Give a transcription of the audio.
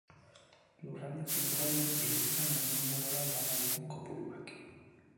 Lurraldez lurralde, hiruretan egin du gora lana dutenen kopuruak.